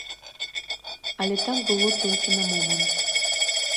Але так было толькі на момант.